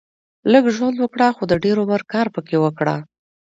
لږ ژوند وګړهٔ خو د دېر عمر کار پکښي وکړهٔ